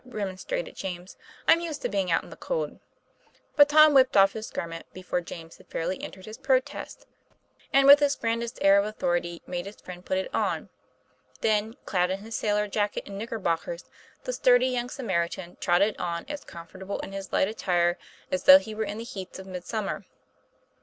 remonstrated James; "I'm used to being out in the cold." But Tom whipped off his garment before James had fairly entered his protest, and with his grandest TOM PLA YFA1K. air of authority made his friend put it on. Then, clad in his sailor jacket and knickerbockers, the sturdy young Samaritan trotted on as comfortable in his light attire as though he were in the heats of mid summer.